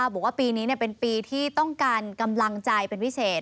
บอกว่าปีนี้เป็นปีที่ต้องการกำลังใจเป็นพิเศษ